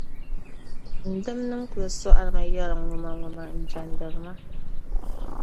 N dimnim’ kul sɔɣirimi yɛri ŋumaŋuma n-jɛndiri ma.